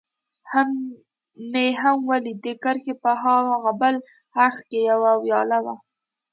مې هم ولید، د کرښې په هاغه بل اړخ کې یوه ویاله وه.